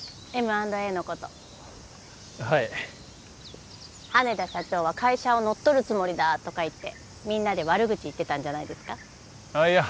Ｍ＆Ａのことはい「羽田社長は会社を乗っ取るつもりだ」とか言ってみんなで悪口言ってたんじゃないですかああいや